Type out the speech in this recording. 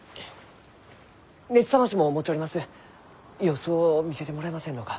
様子を見せてもらえませんろうか？